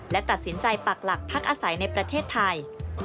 และตัดสินใจปักหลักพักอาศัยในประเทศไทย